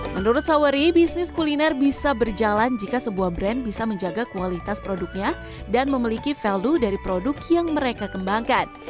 menurut sawari bisnis kuliner bisa berjalan jika sebuah brand bisa menjaga kualitas produknya dan memiliki value dari produk yang mereka kembangkan